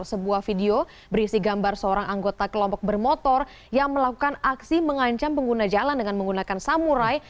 sebuah video berisi gambar seorang anggota kelompok bermotor yang melakukan aksi mengancam pengguna jalan dengan menggunakan samurai